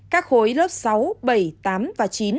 các khối lớp sáu bảy tám và chín